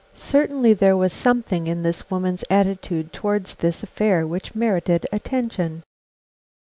Certainly there was something in this woman's attitude towards this affair which merited attention.